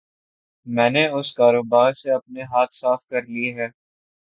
میں نے اس کاروبار سے اپنے ہاتھ صاف کر لیئے ہے۔